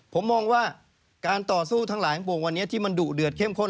ผมมองว่าการต่อสู้ทั้งหลายปวงวันนี้ที่มันดุเดือดเข้มข้น